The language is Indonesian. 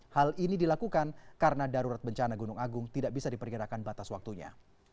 hal ini dilakukan karena darurat bencana gunung agung tidak bisa diperkirakan batas waktunya